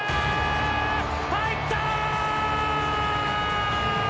入ったー！